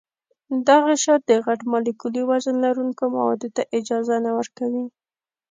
دا غشا د غټ مالیکولي وزن لرونکو موادو ته اجازه نه ورکوي.